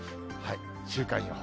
週間予報。